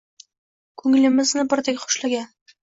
Kunglimizni birdek xushlagan